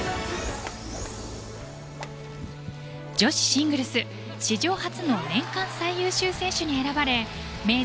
女子シングルス史上初の年間最優秀選手に選ばれ名実